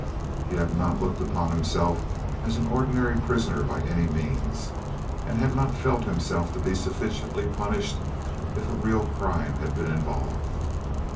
He had not looked upon himself as an ordinary prisoner, by any means—had not felt himself to be sufficiently punished if a real crime had been involved.